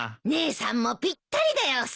姉さんもぴったりだよ